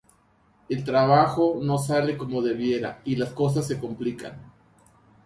El trabajo no sale como debiera y las cosas se complican.